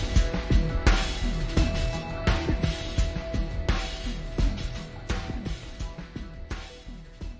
โปรดติดตามตอนต่อไป